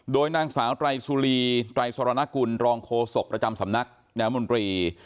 โดยนางสาวไตรสุรีไตรสรณกุลรองโฆษกประจำสำนักแนวมนตรี